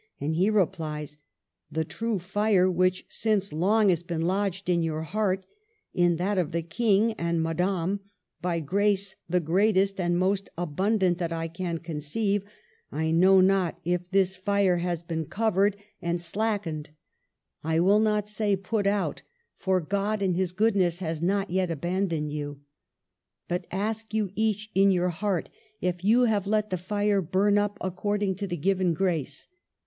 And he replies :'' The true fire which since long has been lodged in your heart, in that of the King and Madame, by grace the greatest and most abundant that I can conceive, I know not if this fire has been covered and 54 MARGARET OF ANGOUL^ME. slackened ; I will not say put out, for God in his goodness has not yet abandoned you. But ask you each in your heart if you have let the fire burn up according to the given grace.